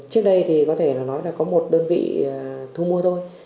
trước đây thì có thể nói là có một đơn vị thu mua thôi